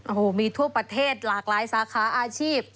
โอ้โหมีทั่วประเทศหลากหลายสาขาอาชีพ